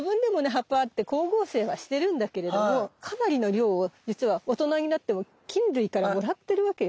葉っぱあって光合成はしてるんだけれどもかなりの量をじつは大人になっても菌類からもらってるわけよ。